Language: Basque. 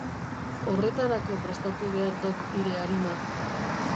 Horretarako prestatu behar dok hire arima.